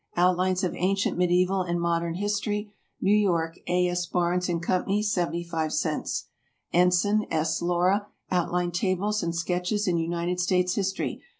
"Outlines of Ancient, Medieval and Modern History." New York, A. S. Barnes & Co. 75 cents. ENSIGN, S. LAURA. "Outline Tables and Sketches in United States History."